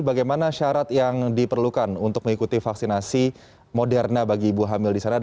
bagaimana syarat yang diperlukan untuk mengikuti vaksinasi moderna bagi ibu hamil di sana